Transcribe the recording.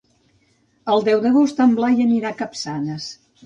El deu d'agost en Blai anirà a Capçanes.